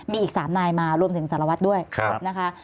มีอีก๓นายมารวมถึงสารวัตรด้วยนะคะ